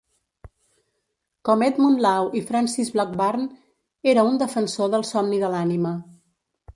Com Edmund Law i Francis Blackburne, era un defensor del somni de l'ànima.